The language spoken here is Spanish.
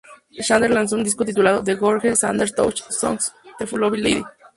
Sanders lanzó un disco titulado "The George Sanders Touch: Songs for the Lovely Lady".